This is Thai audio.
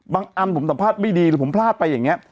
อันผมสัมภาษณ์ไม่ดีหรือผมพลาดไปอย่างนี้